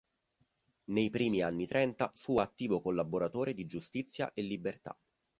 Nei primi anni trenta fu attivo collaboratore di Giustizia e Libertà.